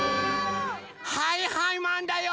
はいはいマンだよ！